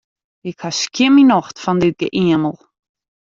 Ik ha skjin myn nocht fan dit geëamel.